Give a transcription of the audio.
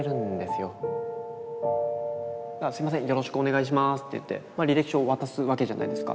よろしくお願いします」って言って履歴書を渡すわけじゃないですか。